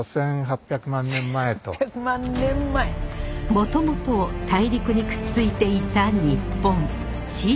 もともと大陸にくっついていた日本。